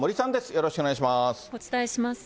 よろしくお願いします。